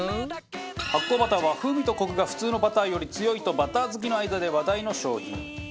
発酵バターは風味とコクが普通のバターより強いとバター好きの間で話題の商品。